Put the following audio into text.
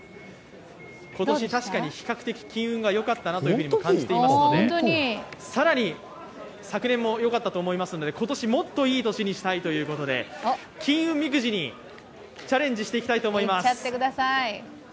今年、確かに比較的金運がよかったなとも感じていますので更に昨年もよかったと思いますので今年もっといい年にしたいということで、金運みくじにチャレンジしていきたいと思います。